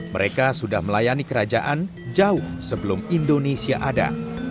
mereka sudah melayani kerajaan jauh sebelum indonesia ada